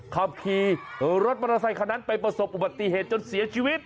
ขับขี่รถมอเตอร์ไซคันนั้นไปประสบอุบัติเหตุจนเสียชีวิต